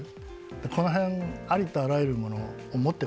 この辺ありとあらゆるものを持ってますよね。